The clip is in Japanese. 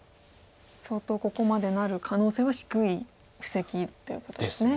相当ここまでなる可能性は低い布石っていうことですね。